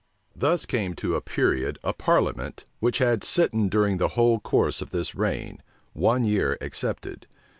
Thus came to a period a parliament which had sitten during the whole course of this reign, one year excepted.